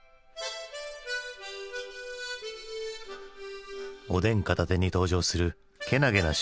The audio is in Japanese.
おでん片手に登場するけなげな少年チビ太。